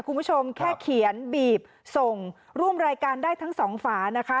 คุณผู้ชมแค่เขียนบีบส่งร่วมรายการได้ทั้งสองฝานะคะ